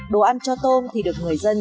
đồ ăn cho tôm thì được người dân